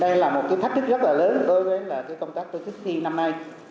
đây là một cái thách thức rất là lớn đối với công tác tôi thích thi năm nay